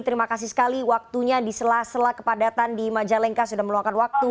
terima kasih sekali waktunya di sela sela kepadatan di majalengka sudah meluangkan waktu